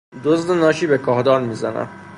دزد ناشی به کاهدان میزند.